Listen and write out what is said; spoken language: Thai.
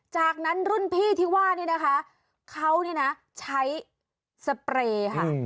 จากนั้นรุ่นพี่ที่ว่าเขาใช้สเปรย์ค่ะ